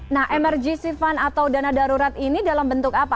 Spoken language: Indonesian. nah emergency fund atau dana darurat ini dalam bentuk apa